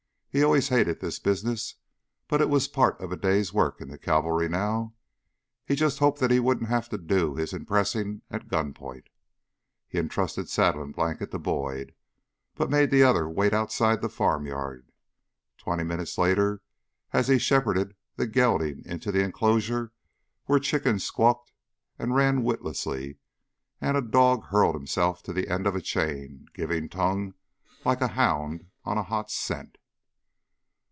He always hated this business, but it was part of a day's work in the cavalry now. He just hoped that he wouldn't have to do his impressing at gun point. He entrusted saddle and blanket to Boyd, but made the other wait outside the farmyard twenty minutes later as he shepherded the gelding into the enclosure where chickens squawked and ran witlessly and a dog hurled himself to the end of a chain, giving tongue like a hound on a hot scent.